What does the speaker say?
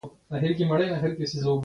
پلار هغه څوک دی چې دردونه په زړه کې پټوي.